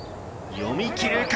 読み切るか？